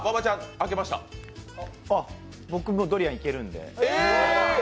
僕もドリアンいけるんで。